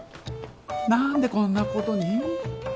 何でこんなことに？